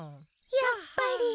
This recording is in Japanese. やっぱり。